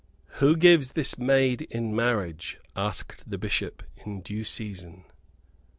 "Who gives this maid in marriage?" asked the Bishop, in due season.